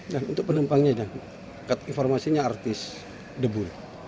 untuk penumpangnya informasinya artis debu